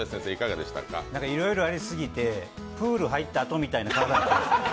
いろいろありすぎて、プール入ったあとみたいな体です。